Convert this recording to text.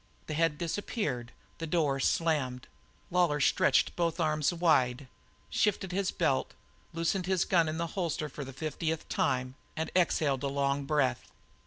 The head disappeared; the door slammed. Lawlor stretched both arms wide, shifted his belt, loosened his gun in the holster for the fiftieth time, and exhaled a long breath.